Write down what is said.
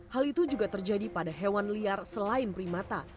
hal itu juga terjadi pada hewan liar selain primata